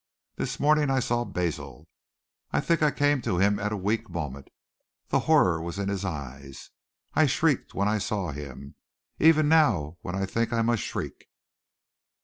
This morning I saw Basil. I think I came to him at a weak moment. The horror was in his eyes. I shrieked when I saw him. Even now when I think I must shriek.